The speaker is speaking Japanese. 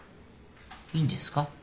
いいんですか？